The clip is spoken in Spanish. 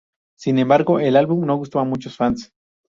Sin embargo, el álbum no gustó a muchos fans.